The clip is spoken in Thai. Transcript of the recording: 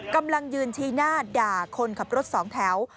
กำลังยืนชี้หน้าด่าคนขับรถสองแถว